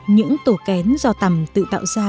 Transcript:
những tổ kén do tầm tự tạo ra